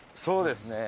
そうです。